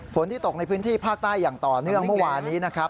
ที่ตกในพื้นที่ภาคใต้อย่างต่อเนื่องเมื่อวานี้นะครับ